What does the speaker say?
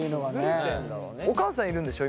お母さんいるんでしょう？